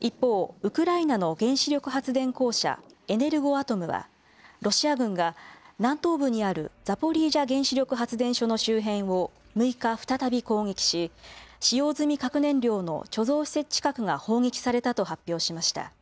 一方、ウクライナの原子力発電公社、エネルゴアトムは、ロシア軍が南東部にあるザポリージャ原子力発電所の周辺を６日、再び攻撃し、使用済み核燃料の貯蔵施設近くが砲撃されたと発表しました。